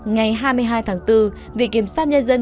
ngày hai mươi hai tháng bốn vị kiểm soát nhà dân